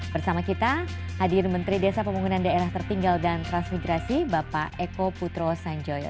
bersama kita hadir menteri desa pembangunan daerah tertinggal dan transmigrasi bapak eko putro sanjoyo